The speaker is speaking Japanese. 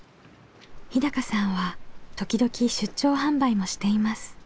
日さんは時々出張販売もしています。